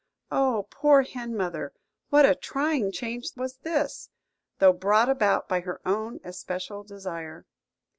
Oh, poor hen mother, what a trying change was this, though brought about by her own especial desire!